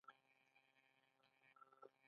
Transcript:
کیسه د څه شي په اړه ده نومونه په نښه کړي.